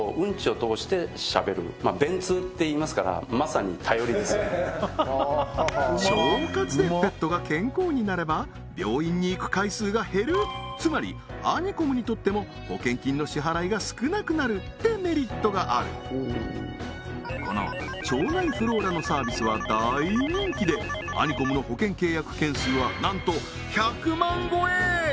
便通っていいますから腸活でペットが健康になれば病院に行く回数が減るつまりアニコムにとっても保険金の支払いが少なくなるってメリットがあるこの腸内フローラのサービスは大人気でアニコムの保険契約件数はなんと１００万超え！